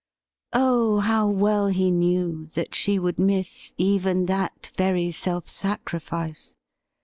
Oh, how well he knew that she would miss even that very self sacrifice